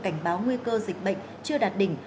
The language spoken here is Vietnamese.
cảnh báo nguy cơ dịch bệnh chưa đạt đỉnh